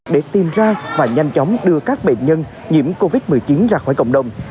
để tìm ra và nhanh chóng đưa các bệnh nhân nhiễm covid một mươi chín ra khỏi cộng đồng